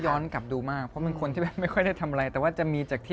ย้อนกลับมาเพื่อนนักแสดงทั้งหมดค่ะ